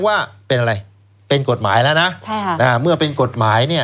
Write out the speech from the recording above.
ว่าเป็นอะไรเป็นกฎหมายแล้วนะใช่ค่ะอ่าเมื่อเป็นกฎหมายเนี่ย